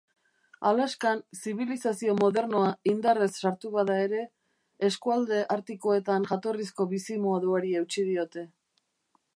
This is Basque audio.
Alaskan zibilizazio modernoa indarrez sartu bada ere, eskualde artikoetan jatorrizko bizimoduari eutsi diote.